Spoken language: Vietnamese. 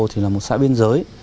thì là một xã biên giới